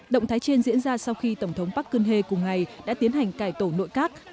động thái trên diễn ra sau khi tổng thống park geun hye cùng ngày đã tiến hành cải tổ nội các